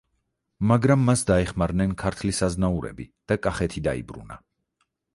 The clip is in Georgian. მაგრამ მას დაეხმარნენ ქართლის აზნაურები და კახეთი დაიბრუნა.